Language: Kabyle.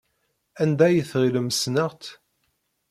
Anda ay tɣilem ssneɣ-tt?